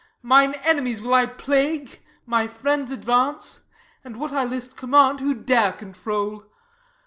Mine enemies will I plague, my friends advance; And what I list command who dare control?